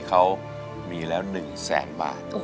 เขามีแล้ว๑แสนบาท